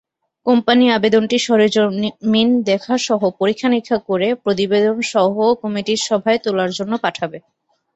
Company আবেদনটি সরেজমিন দেখাসহ পরীক্ষা-নিরীক্ষা করে প্রতিবেদনসহ কমিটির সভায় তোলার জন্য পাঠাবে।